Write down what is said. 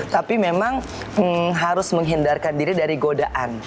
tapi memang harus menghindarkan diri dari godaan